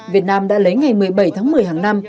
việt nam đã lấy ngày một mươi bảy tháng một mươi hàng năm